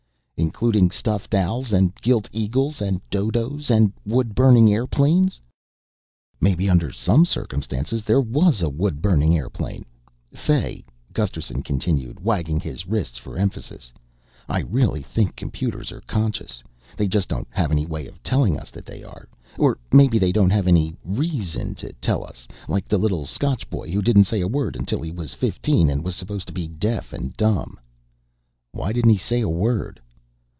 "Including stuffed owls and gilt eagles and dodoes and wood burning airplanes?" "Maybe, under some circumstances. There was a wood burning airplane. Fay," Gusterson continued, wagging his wrists for emphasis, "I really think computers are conscious. They just don't have any way of telling us that they are. Or maybe they don't have any reason to tell us, like the little Scotch boy who didn't say a word until he was fifteen and was supposed to be deaf and dumb." "Why didn't he say a word?"